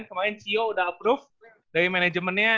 kemarin ceo udah approve dari manajemennya